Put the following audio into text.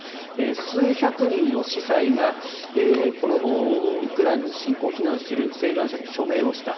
数百人の司祭がこのウクライナの侵攻を非難する請願書に署名をした。